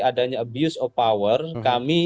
adanya abuse of power kami